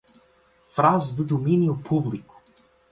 Frase de domínio publico